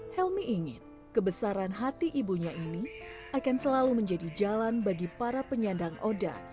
helmi ingin kebesaran hati ibunya ini akan selalu menjadi jalan bagi para penyandang oda